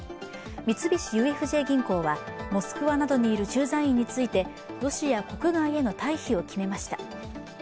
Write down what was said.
三菱ＵＦＪ銀行はモスクワなどにいる駐在員についてロシア国外への退避を決めました。